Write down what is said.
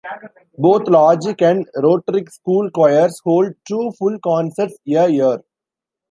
Both Logic and Rhetoric school choirs hold two full concerts a year.